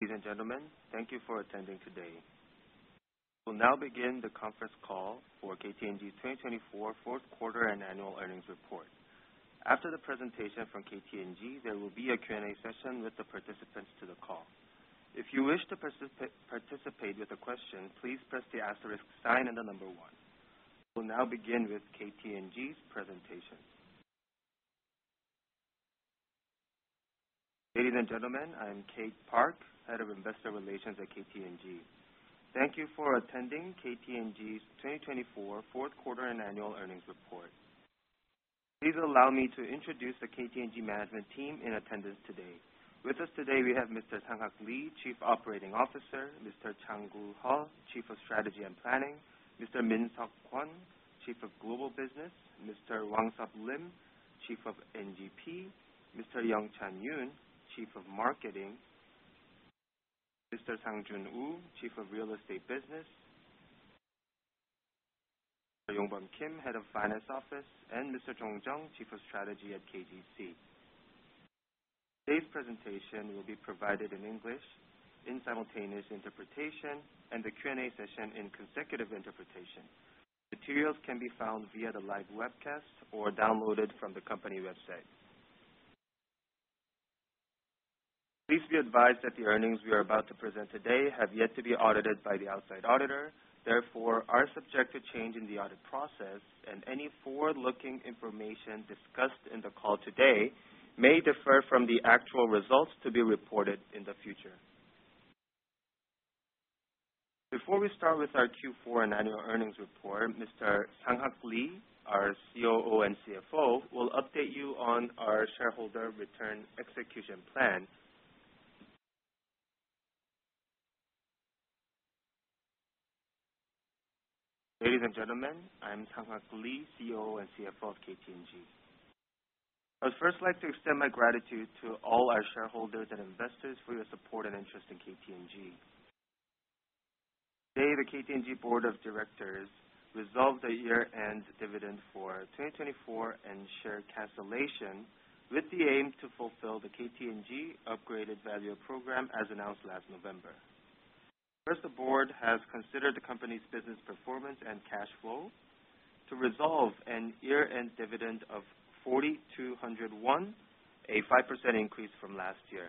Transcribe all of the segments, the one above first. Ladies and gentlemen, thank you for attending today. We'll now begin the conference call for KT&G's 2024 Fourth Quarter and Annual Earnings Report. After the presentation from KT&G, there will be a Q&A session with the participants to the call. If you wish to participate with a question, please press the asterisk sign and the number one. We'll now begin with KT&G's presentation. Ladies and gentlemen, I'm Kate Park, Head of Investor Relations at KT&G. Thank you for attending KT&G's 2024 Fourth Quarter and Annual Earnings Report. Please allow me to introduce the KT&G Management Team in attendance today. With us today, we have Mr. Sang-Hak Lee, Chief Operating Officer, Mr. Chang-gu Heo, Chief of Strategy and Planning, Mr. Min-Seok Kwon, Chief of Global Business, Mr. Wang-Seop Lim, Chief of NGP, Mr. Young-Chan Yoon, Chief of Marketing, Mr. Sang-Joon Woo, Chief of Real Estate Business, Mr. Yong-Bum Kim, Head of Finance Office; and Mr. Chang-gu Heo, Chief of Strategy at KT&G. Today's presentation will be provided in English, in simultaneous interpretation, and the Q&A session in consecutive interpretation. Materials can be found via the live webcast or downloaded from the company website. Please be advised that the earnings we are about to present today have yet to be audited by the outside auditor. Therefore, they are subject to change in the audit process and any forward-looking information discussed in the call today may differ from the actual results to be reported in the future. Before we start with our Q4 and Annual Earnings Report, Mr. Sang-Hak Lee, our COO and CFO, will update you on our shareholder return execution plan. Ladies and gentlemen, I'm Sang-Hak Lee, COO and CFO of KT&G. I would first like to extend my gratitude to all our shareholders and investors for your support and interest in KT&G. Today, the KT&G Board of Directors resolved the year-end dividend for 2024 and share cancellation with the aim to fulfill the KT&G Upgraded Value Program as announced last November. First, the board has considered the company's business performance and cash flow to resolve a year-end dividend of 4,200, a 5% increase from last year.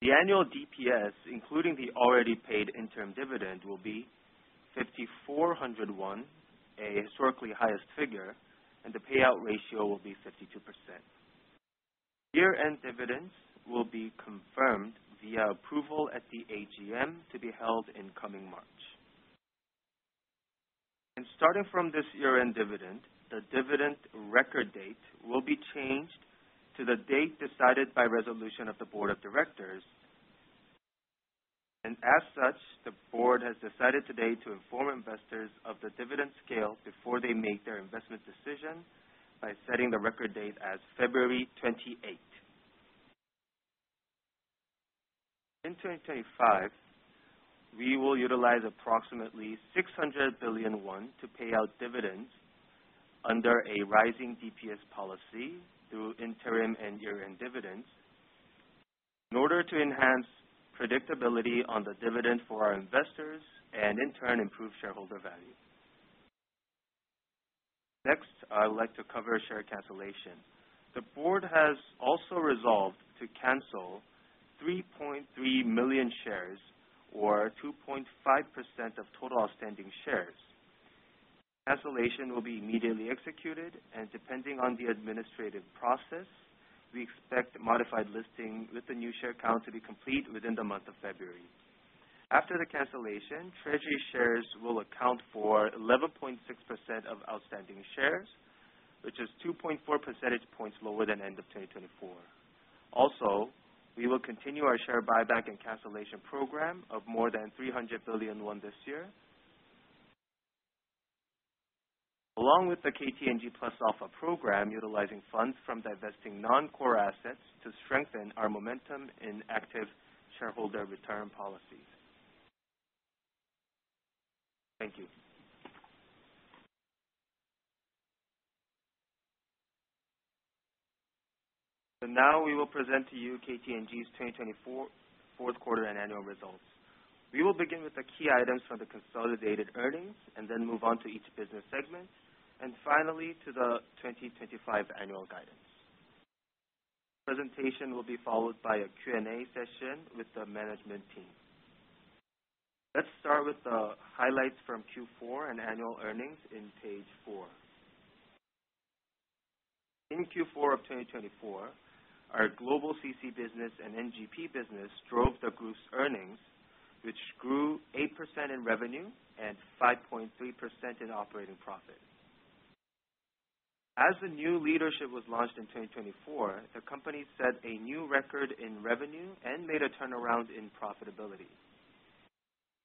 The annual DPS, including the already paid interim dividend, will be 5,400 won, a historically highest figure, and the payout ratio will be 52%. Year-end dividends will be confirmed via approval at the AGM to be held in coming March, and starting from this year-end dividend, the dividend record date will be changed to the date decided by resolution of the Board of Directors. As such, the board has decided today to inform investors of the dividend scale before they make their investment decision by setting the record date as February 28. In 2025, we will utilize approximately 600 billion won to pay out dividends under a rising DPS policy through interim and year-end dividends in order to enhance predictability on the dividend for our investors and in turn improve shareholder value. Next, I would like to cover share cancellation. The board has also resolved to cancel 3.3 million shares, or 2.5% of total outstanding shares. Cancellation will be immediately executed, and depending on the administrative process, we expect modified listing with the new share count to be complete within the month of February. After the cancellation, treasury shares will account for 11.6% of outstanding shares, which is 2.4 percentage points lower than end of 2024. Also, we will continue our share buyback and cancellation program of more than 300 billion won this year, along with the KT&G Plus Alpha program utilizing funds from divesting non-core assets to strengthen our momentum in active shareholder return policies. Thank you. So now we will present to you KT&G's 2024 Fourth Quarter and Annual Results. We will begin with the key items from the consolidated earnings and then move on to each business segment, and finally to the 2025 Annual Guidance. Presentation will be followed by a Q&A session with the management team. Let's start with the highlights from Q4 and Annual Earnings in page four. In Q4 of 2024, our global CC business and NGP business drove the group's earnings, which grew 8% in revenue and 5.3% in operating profit. As the new leadership was launched in 2024, the company set a new record in revenue and made a turnaround in profitability.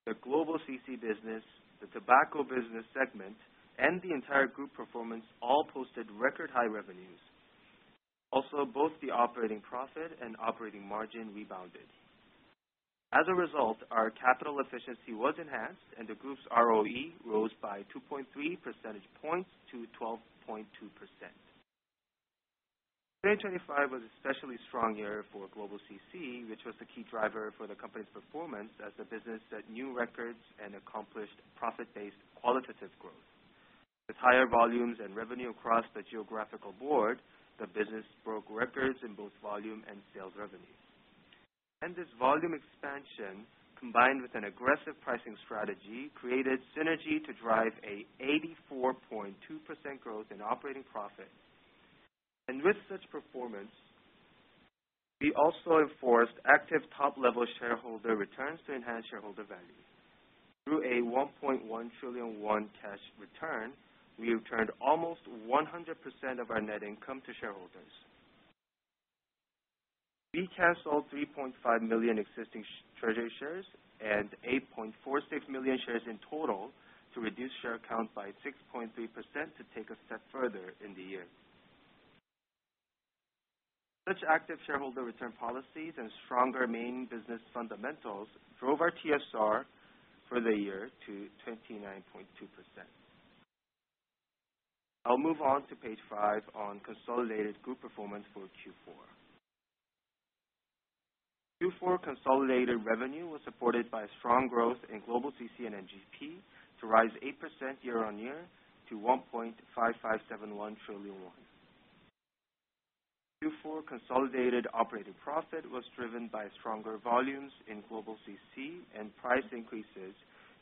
The global CC business, the tobacco business segment, and the entire group performance all posted record high revenues. Also, both the operating profit and operating margin rebounded. As a result, our capital efficiency was enhanced, and the group's ROE rose by 2.3 percentage points to 12.2%. 2025 was an especially strong year for global CC, which was the key driver for the company's performance as the business set new records and accomplished profit-based qualitative growth. With higher volumes and revenue across the board, the business broke records in both volume and sales revenue, and this volume expansion, combined with an aggressive pricing strategy, created synergy to drive an 84.2% growth in operating profit. And with such performance, we also enforced active top-level shareholder returns to enhance shareholder value. Through a 1.1 trillion won cash return, we returned almost 100% of our net income to shareholders. We canceled 3.5 million existing treasury shares and 8.46 million shares in total to reduce share count by 6.3% to take a step further in the year. Such active shareholder return policies and stronger main business fundamentals drove our TSR for the year to 29.2%. I'll move on to page five on consolidated group performance for Q4. Q4 consolidated revenue was supported by strong growth in global CC and NGP to rise 8% year-on-year to 1.5571 trillion. Q4 consolidated operating profit was driven by stronger volumes in global CC and price increases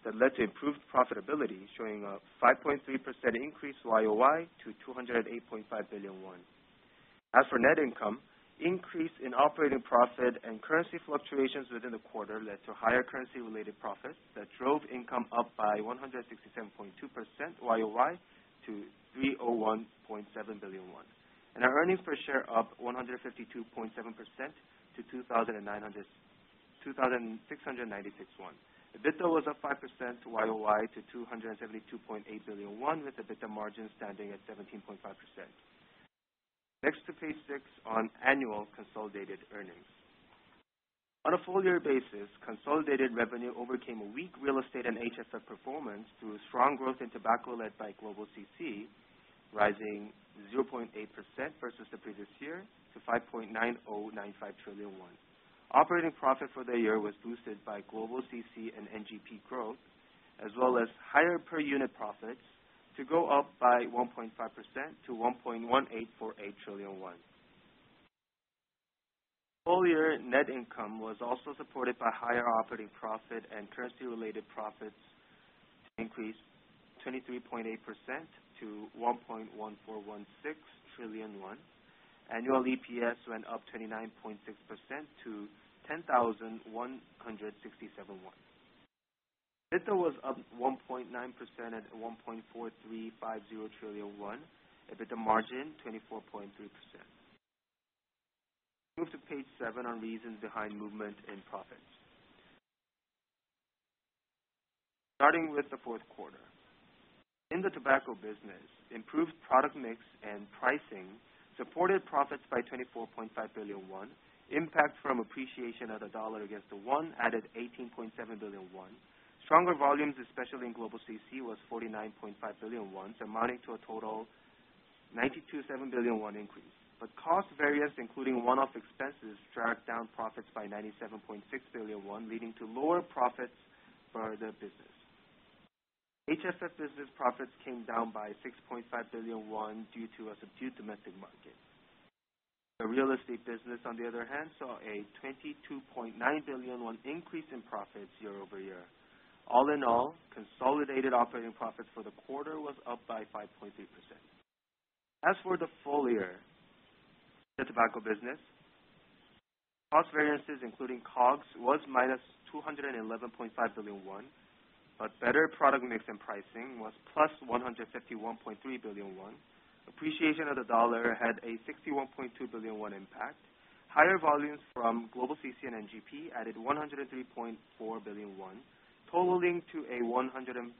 that led to improved profitability, showing a 5.3% increase YoY to 208.5 billion won. As for net income, increase in operating profit and currency fluctuations within the quarter led to higher currency-related profits that drove income up by 167.2% YoY to 301.7 billion won, and our earnings per share up 152.7% to 2,696 won. EBITDA was up 5% YoY to 272.8 billion won, with EBITDA margin standing at 17.5%. Next, to page six on annual consolidated earnings. On a full-year basis, consolidated revenue overcame weak real estate and HFF performance through strong growth in tobacco led by global CC, rising 0.8% versus the previous year to 5.9095 trillion won. Operating profit for the year was boosted by global CC and NGP growth, as well as higher per unit profits to go up by 1.5% to 1.1848 trillion won. Full-year net income was also supported by higher operating profit and currency-related profits to increase 23.8% to 1.1416 trillion won. Annual EPS went up 29.6% to 10,167 won. EBITDA was up 1.9% at 1.4350 trillion won. EBITDA margin 24.3%. Move to page seven on reasons behind movement in profits. Starting with the fourth quarter. In the tobacco business, improved product mix and pricing supported profits by 24.5 billion won. Impact from appreciation of the dollar against the won added 18.7 billion won. Stronger volumes, especially in global CC, was 49.5 billion won, amounting to a total 92.7 billion won increase. But cost variance, including one-off expenses, dragged down profits by 97.6 billion won, leading to lower profits for the business. HFF business profits came down by 6.5 billion won due to a subdued domestic market. The real estate business, on the other hand, saw a 22.9 billion increase in profits year-over-year. All in all, consolidated operating profits for the quarter was up by 5.3%. As for the full-year tobacco business, cost variances, including COGS, was -211.5 billion won, but better product mix and pricing was +151.3 billion won. Appreciation of the dollar had a 61.2 billion won impact. Higher volumes from global CC and NGP added 103.4 billion won, totaling to a 104.4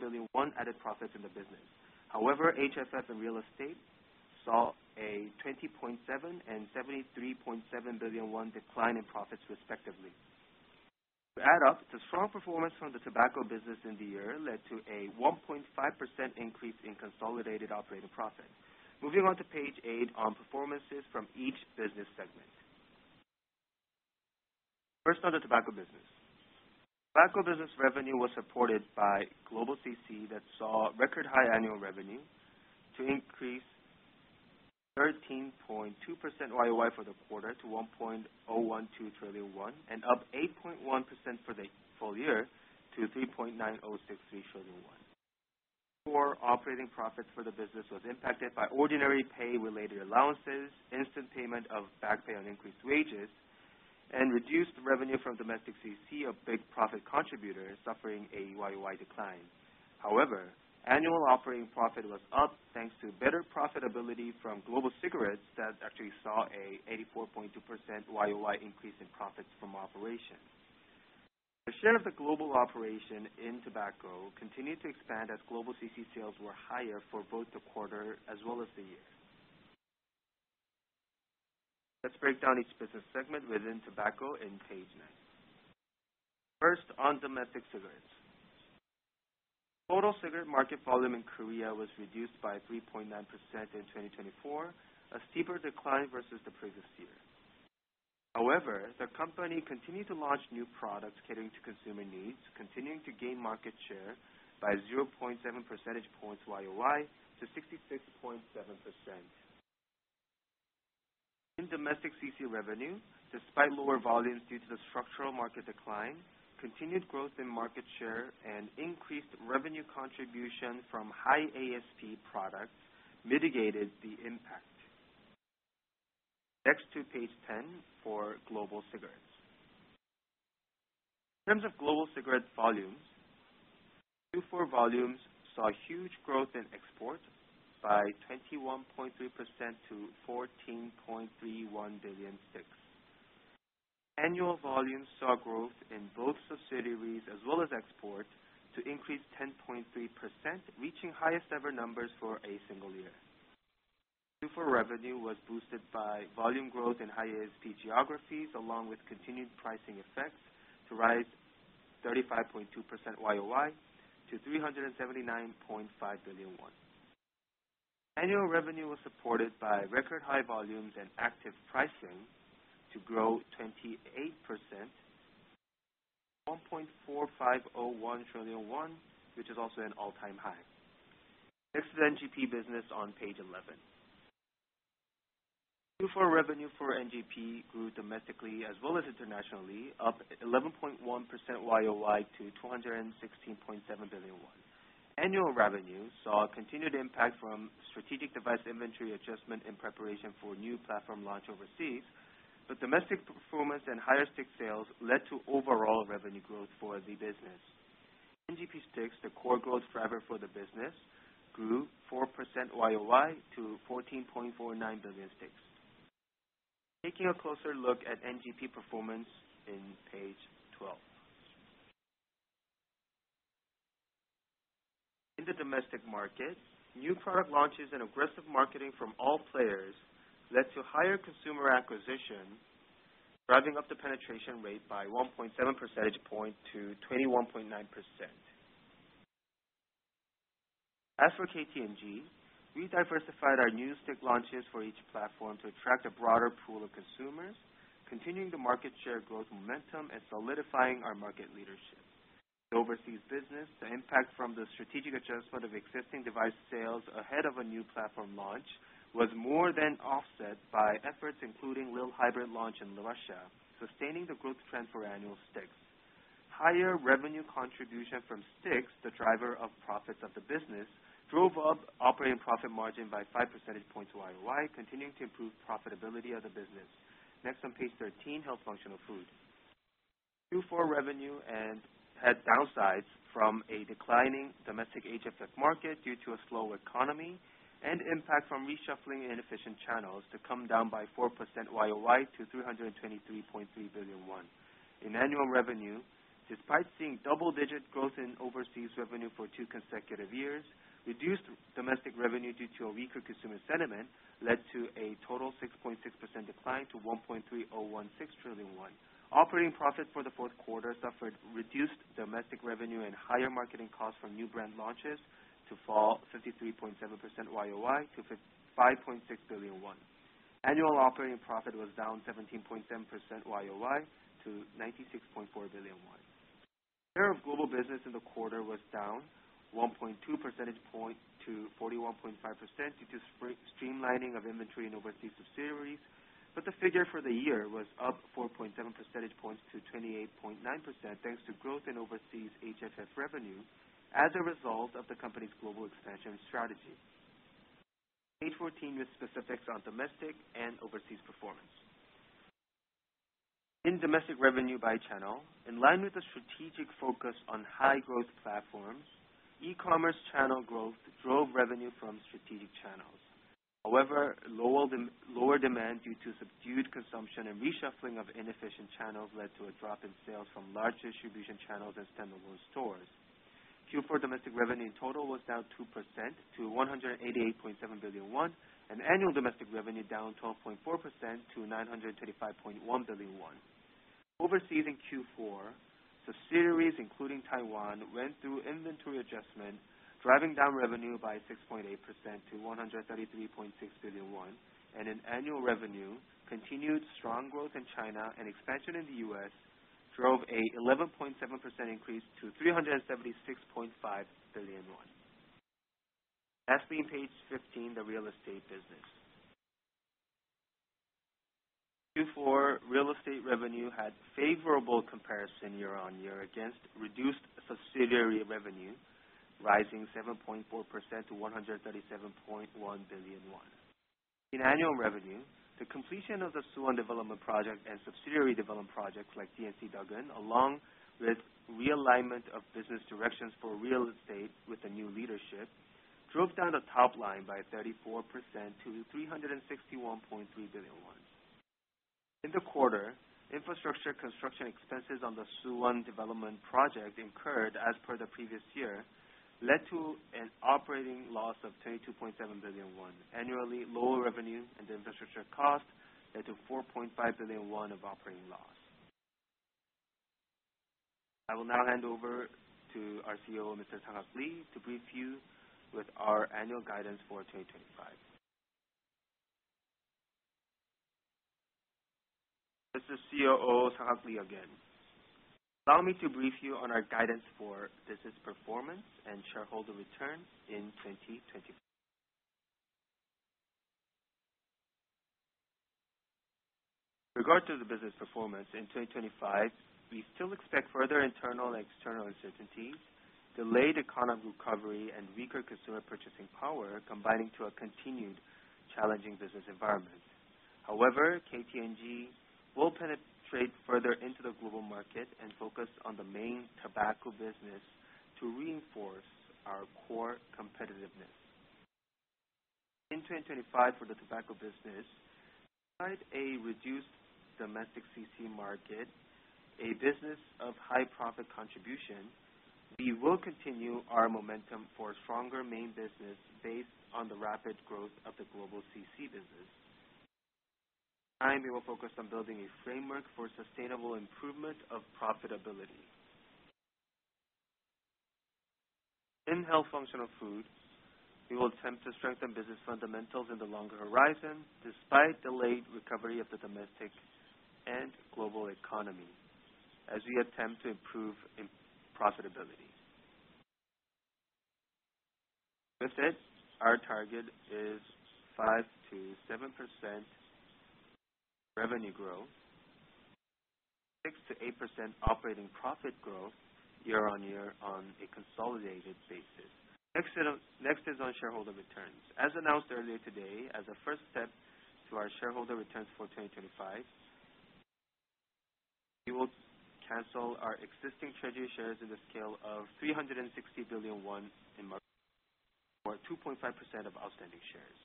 billion won added profits in the business. However, HFF and real estate saw a 20.7 billion and 73.7 billion won decline in profits, respectively. To add up, the strong performance from the tobacco business in the year led to a 1.5% increase in consolidated operating profit. Moving on to page eight on performances from each business segment. First, on the tobacco business. Tobacco business revenue was supported by global CC that saw record high annual revenue to increase 13.2% YoY for the quarter to 1.012 trillion won and up 8.1% for the full year to 3.9063 trillion won. Core operating profits for the business was impacted by ordinary pay-related allowances, instant payment of back pay on increased wages, and reduced revenue from domestic CC, a big profit contributor suffering a YoY decline. However, annual operating profit was up thanks to better profitability from global cigarettes that actually saw an 84.2% YoY increase in profits from operation. The share of the global operation in tobacco continued to expand as global CC sales were higher for both the quarter as well as the year. Let's break down each business segment within tobacco in page nine. First, on domestic cigarettes. Total cigarette market volume in Korea was reduced by 3.9% in 2024, a steeper decline versus the previous year. However, the company continued to launch new products catering to consumer needs, continuing to gain market share by 0.7 percentage points YoY to 66.7%. In domestic CC revenue, despite lower volumes due to the structural market decline, continued growth in market share and increased revenue contribution from high ASP products mitigated the impact. Next to page 10 for global cigarettes. In terms of global cigarette volumes, Q4 volumes saw huge growth in export by 21.3% to 14.31 billion sticks. Annual volumes saw growth in both subsidiaries as well as export to increase 10.3%, reaching highest ever numbers for a single year. Q4 revenue was boosted by volume growth in high ASP geographies, along with continued pricing effects to rise 35.2% YoY to 379.5 billion won. Annual revenue was supported by record high volumes and active pricing to grow 28% to 1.4501 trillion won, which is also an all-time high. Next is NGP business on page 11. Q4 revenue for NGP grew domestically as well as internationally, up 11.1% YoY to 216.7 billion won. Annual revenue saw continued impact from strategic device inventory adjustment in preparation for new platform launch overseas, but domestic performance and higher stick sales led to overall revenue growth for the business. NGP sticks, the core growth driver for the business, grew 4% YoY to 14.49 billion sticks. Taking a closer look at NGP performance on page 12. In the domestic market, new product launches and aggressive marketing from all players led to higher consumer acquisition, driving up the penetration rate by 1.7 percentage points to 21.9%. As for KT&G, we diversified our new stick launches for each platform to attract a broader pool of consumers, continuing the market share growth momentum and solidifying our market leadership. The overseas business, the impact from the strategic adjustment of existing device sales ahead of a new platform launch, was more than offset by efforts including lil Hybrid launch in Russia, sustaining the growth trend for annual sticks. Higher revenue contribution from sticks, the driver of profits of the business, drove up operating profit margin by five percentage points YoY, continuing to improve profitability of the business. Next, on page 13, health functional food. Q4 revenue had downsides from a declining domestic HFF market due to a slow economy and impact from reshuffling inefficient channels to come down by 4% YoY to 323.3 billion won. In annual revenue, despite seeing double-digit growth in overseas revenue for two consecutive years, reduced domestic revenue due to a weaker consumer sentiment led to a total 6.6% decline to 1.3016 trillion won. Operating profits for the fourth quarter suffered reduced domestic revenue and higher marketing costs from new brand launches to fall 53.7% YoY to 5.6 billion won. Annual operating profit was down 17.7% YoY to 96.4 billion won. Share of global business in the quarter was down 1.2 percentage points to 41.5% due to streamlining of inventory in overseas subsidiaries, but the figure for the year was up 4.7 percentage points to 28.9% thanks to growth in overseas HFF revenue as a result of the company's global expansion strategy. Page 14 with specifics on domestic and overseas performance. In domestic revenue by channel, in line with the strategic focus on high-growth platforms, e-commerce channel growth drove revenue from strategic channels. However, lower demand due to subdued consumption and reshuffling of inefficient channels led to a drop in sales from large distribution channels and standalone stores. Q4 domestic revenue in total was down 2% to 188.7 billion won, and annual domestic revenue down 12.4% to 935.1 billion won. Overseas in Q4, subsidiaries including Taiwan went through inventory adjustment, driving down revenue by 6.8% to 133.6 billion won, and in annual revenue, continued strong growth in China and expansion in the U.S. drove an 11.7% increase to 376.5 billion won. Lastly, in page 15, the real estate business. Q4 real estate revenue had favorable comparison year-on-year against reduced subsidiary revenue, rising 7.4% to 137.1 billion won. In annual revenue, the completion of the Suwon development project and subsidiary development projects like DMC Deok-eun, along with realignment of business directions for real estate with the new leadership, drove down the top line by 34% to 361.3 billion. In the quarter, infrastructure construction expenses on the Suwon development project incurred as per the previous year led to an operating loss of 22.7 billion won. Annually, lower revenue and infrastructure cost led to 4.5 billion won of operating loss. I will now hand over to our COO, Mr. Sang-Hak Lee, to brief you with our annual guidance for 2025. This is COO Sang-Hak Lee again. Allow me to brief you on our guidance for business performance and shareholder return in 2025. With regard to the business performance in 2025, we still expect further internal and external uncertainties, delayed economic recovery, and weaker consumer purchasing power combining to a continued challenging business environment. However, KT&G will penetrate further into the global market and focus on the main tobacco business to reinforce our core competitiveness. In 2025, for the tobacco business, despite a reduced domestic CC market, a business of high profit contribution, we will continue our momentum for stronger main business based on the rapid growth of the global CC business. In time, we will focus on building a framework for sustainable improvement of profitability. In health functional food, we will attempt to strengthen business fundamentals in the longer horizon despite delayed recovery of the domestic and global economy as we attempt to improve profitability. With it, our target is 5%-7% revenue growth, 6%-8% operating profit growth year-on-year on a consolidated basis. Next is on shareholder returns. As announced earlier today, as a first step to our shareholder returns for 2025, we will cancel our existing treasury shares in the scale of 360 billion won in market for 2.5% of outstanding shares.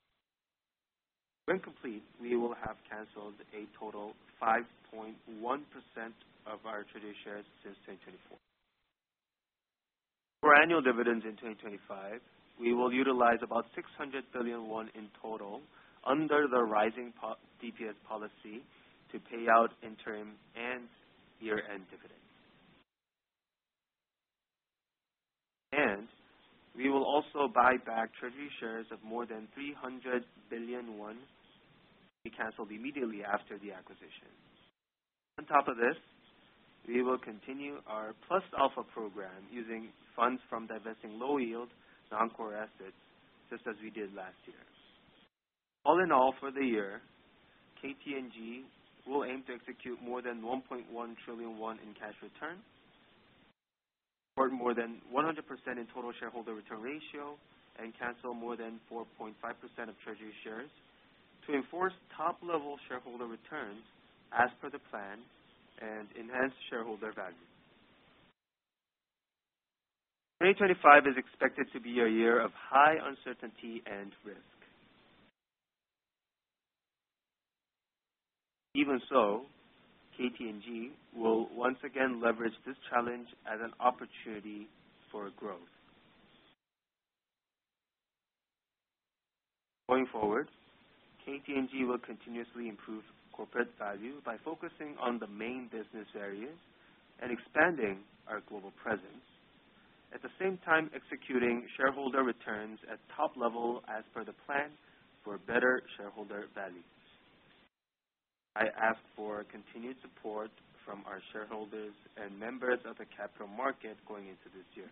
When complete, we will have canceled a total of 5.1% of our treasury shares since 2024. For annual dividends in 2025, we will utilize about 600 billion won in total under the rising DPS policy to pay out interim and year-end dividends, and we will also buy back treasury shares of more than 300 billion won to be canceled immediately after the acquisition. On top of this, we will continue our plus alpha program using funds from divesting low-yield non-core assets just as we did last year. All in all, for the year, KT&G will aim to execute more than 1.1 trillion won in cash return, support more than 100% in total shareholder return ratio, and cancel more than 4.5% of treasury shares to enforce top-level shareholder returns as per the plan and enhance shareholder value. 2025 is expected to be a year of high uncertainty and risk. Even so, KT&G will once again leverage this challenge as an opportunity for growth. Going forward, KT&G will continuously improve corporate value by focusing on the main business areas and expanding our global presence, at the same time executing shareholder returns at top level as per the plan for better shareholder values. I ask for continued support from our shareholders and members of the capital market going into this year.